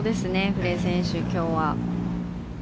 古江選手、今日は。